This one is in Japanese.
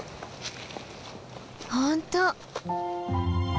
本当！